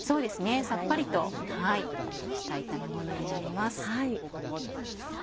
さっぱりとした炒め物になります。